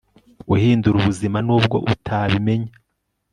uhindura ubuzima nubwo utabimenya